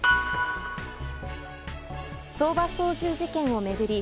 相場操縦事件を巡り